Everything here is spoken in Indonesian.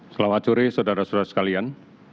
selamat sore saudara saudara sekalian